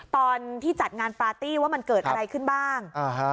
ตอนที่จัดงานปาร์ตี้ว่ามันเกิดอะไรขึ้นบ้าง